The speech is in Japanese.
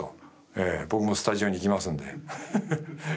ええ僕もスタジオに行きますんで。